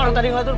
orang tadi ngatur